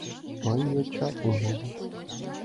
Мый йоча омыл.